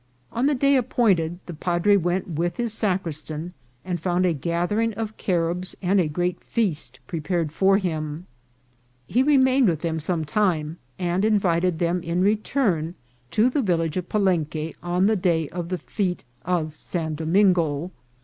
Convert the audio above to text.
On the day appointed the padre went with his sacristan, and found a gathering of Caribs and a great feast prepared for him. He re mained with them some time, and invited them in re turn to the village of Palenque on the day of the fete of St. Domingo.